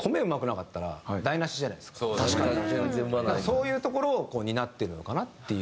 そういうところを担ってるのかなっていう。